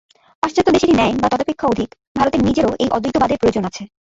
পাশ্চাত্য দেশেরই ন্যায় বা তদপেক্ষা অধিক ভারতের নিজেরও এই অদ্বৈতবাদের প্রয়োজন আছে।